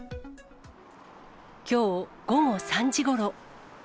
きょう午後３時ごろ。